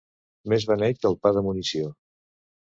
Més beneit que el pa de munició.